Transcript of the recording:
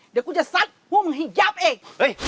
เดี๋ยวกูจะซัดพวกมึงให้ยับอีก